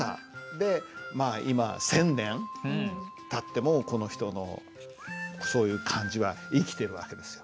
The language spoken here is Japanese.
でまあ今千年たってもこの人のそういう感じは生きてる訳ですよ。